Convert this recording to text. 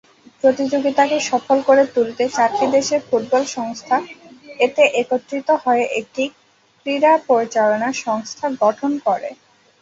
প্রতিযোগিতাকে সফল করে তুলতে চারটি দেশের ফুটবল সংস্থা এতে একত্রিত হয়ে একটি ক্রীড়া পরিচালনা সংস্থা গঠন করে।